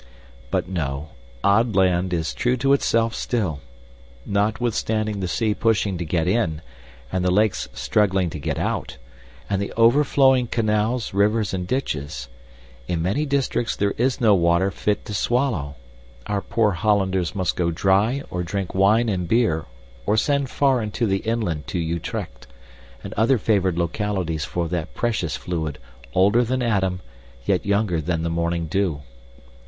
But no, Odd land is true to itself still. Notwithstanding the sea pushing to get in, and the lakes struggling to get out, and the overflowing canals, rivers, and ditches, in many districts there is no water fit to swallow; our poor Hollanders must go dry or drink wine and beer or send far into the inland to Utrecht and other favored localities for that precious fluid older than Adam yet younger than the morning dew.